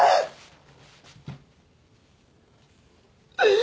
あ！